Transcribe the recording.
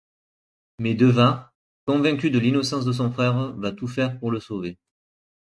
Mais Deva, convaincu de l’innocence de son frère va tout faire pour le sauver.